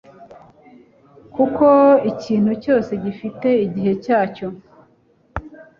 kuko ikintu cyose gifite igihe cyacyo